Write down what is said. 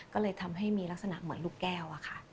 ก็เลยทำให้มีลักษณะเหมือนลูกแก้วอะค่ะ